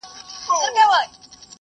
د اوبو کموالی د جلد وچوالي پیدا کوي.